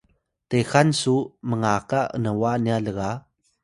texan su mngaka n’wa nya lga